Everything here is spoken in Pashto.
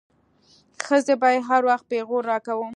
ښځې به يې هر وخت پيغور راکاوه.